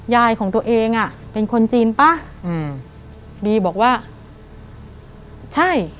ของตัวเองอ่ะเป็นคนจีนป่ะอืมบีบอกว่าใช่